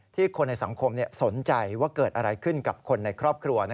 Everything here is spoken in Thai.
คนในสังคมสนใจว่าเกิดอะไรขึ้นกับคนในครอบครัว